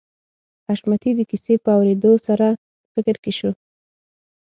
حشمتي د کيسې په اورېدو سره په فکر کې شو